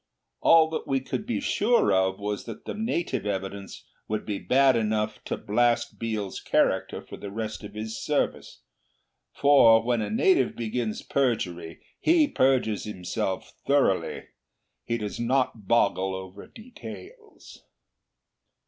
All that we could be sure of was that the native evidence would be bad enough to blast Biel's character for the rest of his service; for when a native begins perjury he perjures himself thoroughly. He does not boggle over details.